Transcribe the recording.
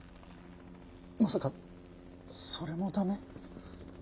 まさかそれも駄目？